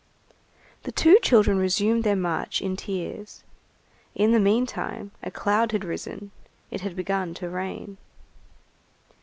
The two children resumed their march in tears. In the meantime, a cloud had risen; it had begun to rain.